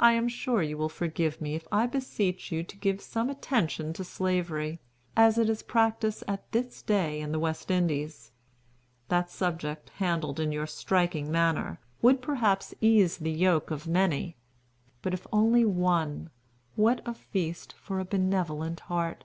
"I am sure you will forgive me if I beseech you to give some attention to Slavery, as it is practised at this day in the West Indies. That subject, handled in your striking manner, would perhaps ease the yoke of many; but if only of one, what a feast for a benevolent heart!